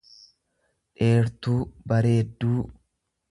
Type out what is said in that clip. dheertuu bareedduu.